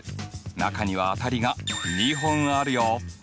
中には当たりが２本あるよ。